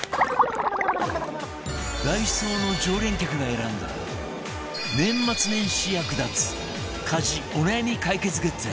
ダイソーの常連客が選んだ年末年始役立つ家事お悩み解決グッズ